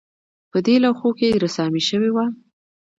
په دې لوښو کې رسامي شوې وه